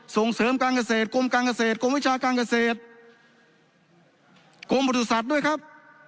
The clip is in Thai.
ส่งเสริมการเกษตรกรมการเกษตรกรมวิชาการเกษตรกรมบริษัทด้วยครับ